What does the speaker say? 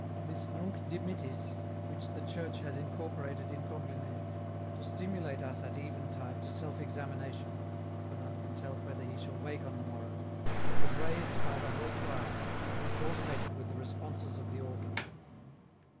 This " Nunc dimittis," which the Church has incor porated in Compline to stimulate us at eventide to self examination — for none can tell whether he shall wake on the morrow — was raised by the whole choir, which alter nated with the responses of the organ.